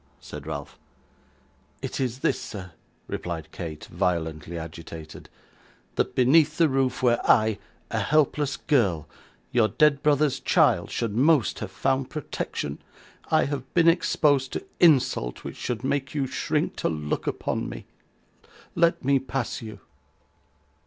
said Ralph. 'It is this, sir,' replied Kate, violently agitated: 'that beneath the roof where I, a helpless girl, your dead brother's child, should most have found protection, I have been exposed to insult which should make you shrink to look upon me. Let me pass you.